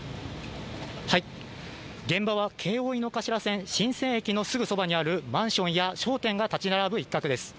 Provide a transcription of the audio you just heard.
現場は京王井の頭線・神泉駅のすぐそばにあるマンションや商店が立ち並ぶ一角です。